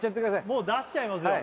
もう出しちゃいますよ